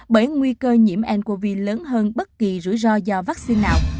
bởi nguy cơ nhiễm ncov lớn hơn bất kỳ rủi ro do vaccine nào